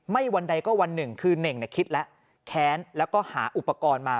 วันใดก็วันหนึ่งคือเน่งคิดแล้วแค้นแล้วก็หาอุปกรณ์มา